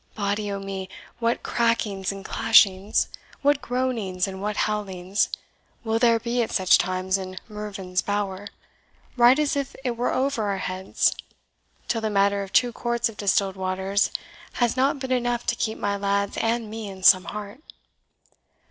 Body o' me, what crackings and clashings, what groanings and what howlings, will there be at such times in Mervyn's Bower, right as it were over our heads, till the matter of two quarts of distilled waters has not been enough to keep my lads and me in some heart!"